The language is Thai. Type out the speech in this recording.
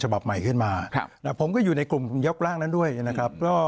อาวุธปืนนี้ขึ้นมาผมก็อยู่ในกลุ่มยกล้างนั้นด้วยนะครับ